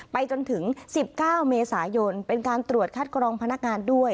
ไปจนถึง๑๙เมษายนเป็นการตรวจคัดกรองพนักงานด้วย